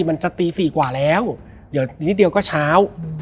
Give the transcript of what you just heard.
มันจะตี๔กว่าแล้วเดี๋ยวนิดเดียวก็เช้า